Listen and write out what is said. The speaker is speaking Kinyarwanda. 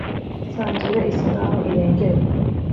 Isanzure isa naho irengerwa